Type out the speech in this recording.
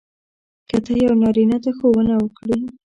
که ته یو نارینه ته ښوونه وکړې.